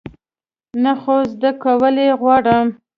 نه، خو زده کول یی غواړم